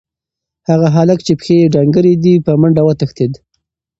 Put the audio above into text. هغه هلک چې پښې یې ډنګرې دي، په منډه وتښتېد.